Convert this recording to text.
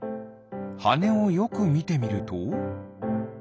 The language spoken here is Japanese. はねをよくみてみると。